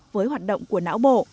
với hoạt động của não bộ